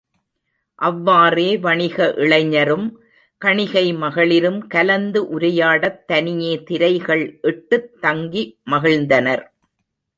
அவ்வாறே வணிக இளைஞரும், கணிகை மகளிரும் கலந்து உரையாடத் தனியே திரைகள் இட்டுத் தங்கி மகிழ்ந்தனர்.